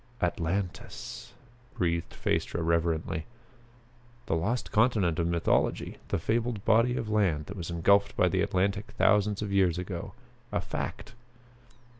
"Atlantis!" breathed Phaestra reverently. The lost continent of mythology! The fabled body of land that was engulfed by the Atlantic thousands of years ago a fact!